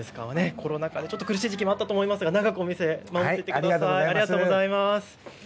コロナ禍で苦しい時期もあったと思いますが、お店、頑張ってください。